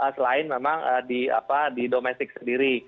selain memang di apa di domestik sendiri